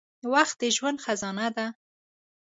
• وخت د ژوند خزانه ده.